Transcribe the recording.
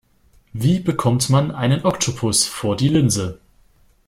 Wie bekommt man einen Oktopus vor die Linse?